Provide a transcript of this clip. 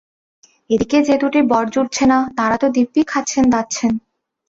এ দিকে যে দুটির বর জুটছে না তাঁরা তো দিব্যি খাচ্ছেন-দাচ্ছেন।